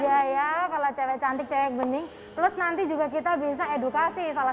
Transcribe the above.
nyai moral cewek cantik cewek bening kenan sejujurnya kita bisa edukasi salah